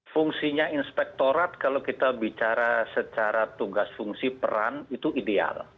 fungsinya inspektorat kalau kita bicara secara tugas fungsi peran itu ideal